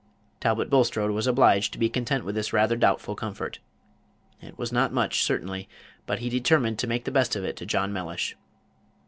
Talbot Bulstrode was obliged to be content with this rather doubtful comfort. It was not much, certainly, but he determined to make the best of it to John Mellish.